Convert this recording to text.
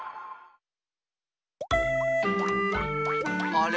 あれ？